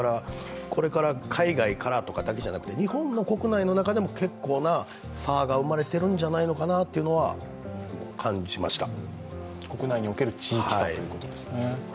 これから海外からとかだけじゃなくて日本の国内の中でも結構な差が生まれているんじゃないのかなというのは感じました。